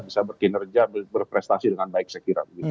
bisa berkinerja berprestasi dengan baik saya kira